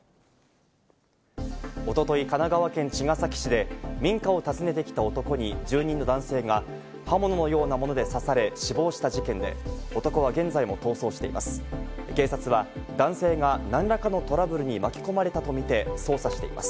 一昨日、神奈川県茅ヶ崎市で民家を訪ねてきた男に住人の男性が刃物のようなもので刺され死亡した事件で、男は現在も逃走しています。